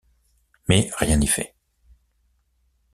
Mais rien n'y fait.